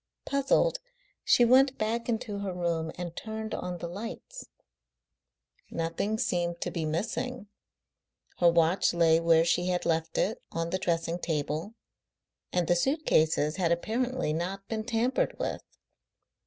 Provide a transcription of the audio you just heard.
Puzzled, she went back into her room and turned on the lights. Nothing seemed to be missing: her watch lay where she had left it on the dressing table; and the suit cases had apparently not been tampered with.